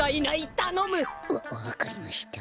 たのむ！わわかりました。